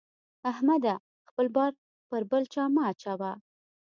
احمده! خپل بار پر بل چا مه اچوه.